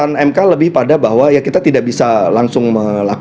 artinya memang putusan mk lebih pada bahwa ya kita tidak bisa langsung menolak